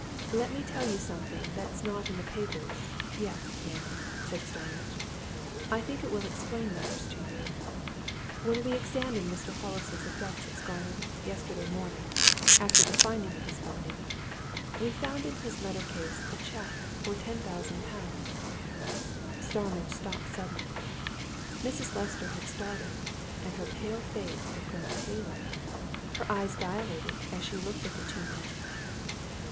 "Let me tell you something that is not in the papers yet ma'am," said Starmidge. "I think it will explain matters to you. When we examined Mr. Hollis's effects at Scarnham, yesterday morning, after the finding of his body, we found in his letter case a cheque for ten thousand pounds " Starmidge stopped suddenly. Mrs. Lester had started, and her pale face had grown paler. Her eyes dilated as she looked at the two men.